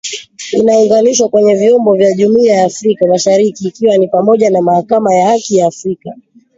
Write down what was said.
inaunganishwa kwenye vyombo vya jumuia ya Afrika mashariki ikiwa ni pamoja na Mahakama ya Haki ya Afrika